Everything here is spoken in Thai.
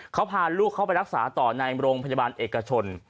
เขาพาลูกเข้าไปรักษาต่อในโรงพยาบาลเอกชน